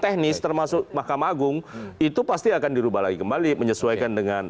teknis termasuk mahkamah agung itu pasti akan dirubah lagi kembali menyesuaikan dengan